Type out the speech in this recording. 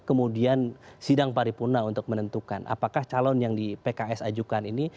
kemudian sidang paripurna untuk menentukan apakah calon yang di pks ajukan ini